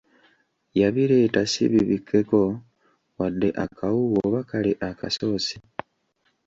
Yabireeta si bibikekko wadde akawuuwo oba kale akasoosi.